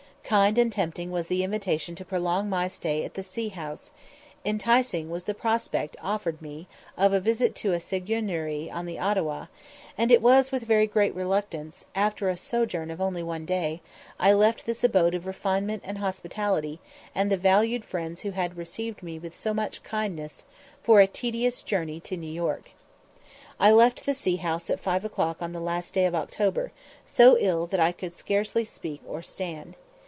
Kind and tempting was the invitation to prolong my stay at the See House; enticing was the prospect offered me of a visit to a seigneurie on the Ottawa; and it was with very great reluctance that, after a sojourn of only one day, I left this abode of refinement and hospitality, and the valued friends who had received me with so much kindness, for a tedious journey to New York. I left the See House at five o'clock on the last day of October, so ill that I could scarcely speak or stand.